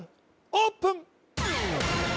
オープン